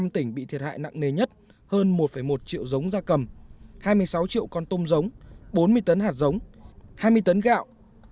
năm tỉnh bị thiệt hại nặng nề nhất hơn một một triệu giống gia cầm hai mươi sáu triệu con tôm giống bốn mươi tấn hạt giống hai mươi tấn gạo